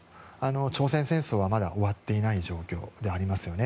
朝鮮戦争はまだ終わっていない状況ですよね。